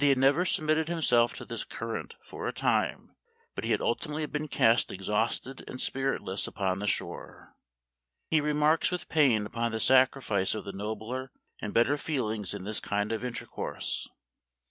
125 had never submitted himself to this current for a time but he had ultimately been cast ex hausted and spiritless upon the shore. He remarks with pain upon the sacrifice of the nobler and better feelings in this kind of inter course.